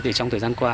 trong thời gian qua